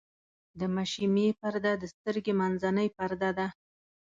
د مشیمیې پرده د سترګې منځنۍ پرده ده.